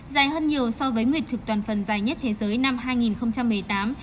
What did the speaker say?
dài hơn nhiều so với nguyệt thực toàn phần dài nhất thế giới năm hai nghìn một mươi tám